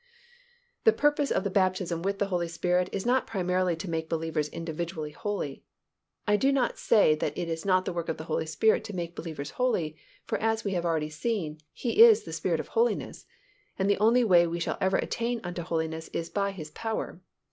The purpose of the baptism with the Holy Spirit is not primarily to make believers individually holy. I do not say that it is not the work of the Holy Spirit to make believers holy, for as we have already seen, He is "the Spirit of Holiness," and the only way we shall ever attain unto holiness is by His power.